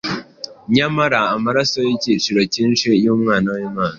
Nyamara amaraso y’igiciro cyinshi y’umwana w’imana